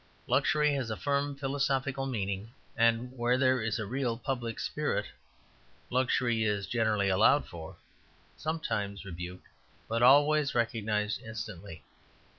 Luxury has a firm philosophical meaning; and where there is a real public spirit luxury is generally allowed for, sometimes rebuked, but always recognized instantly.